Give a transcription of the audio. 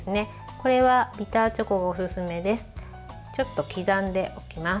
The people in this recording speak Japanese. これはビターチョコがおすすめです。